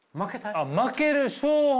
負ける勝敗。